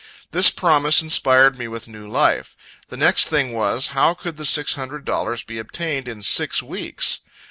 This promise inspired me with new life. The next thing was, how could the six hundred dollars be obtained in six weeks.